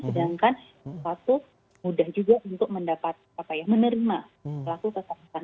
sedangkan yang satu mudah juga untuk mendapat apa ya menerima kekerasan